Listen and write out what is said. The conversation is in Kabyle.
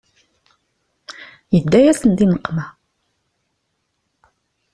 Yedda-yasen di nneqma.